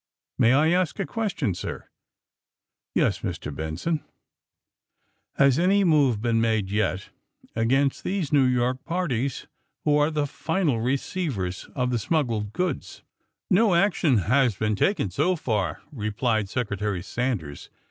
May I ask a ques tion, sir!" *'Yes, Mr. Benson." AND THE SMUGGLERS 17 ''^Has any move been made, yet, against these New York parties who are the final receivers of the smuggled goods." ^^No action has been taken so far," replied Secretary Sanders.